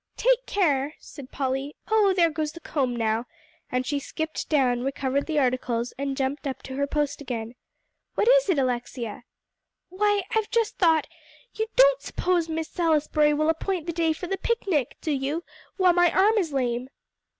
"Take care," said Polly, "oh, there goes the comb now," and she skipped down, recovered the articles, and jumped up to her post again. "What is it, Alexia?" "Why, I've just thought you don't suppose Miss Salisbury will appoint the day for the picnic, do you, while my arm is lame?"